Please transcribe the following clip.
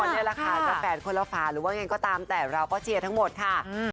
นี่แหละค่ะกับแฟนคนละฟาหรือว่าอย่างไรก็ตามแต่เราก็เจอทั้งหมดค่ะ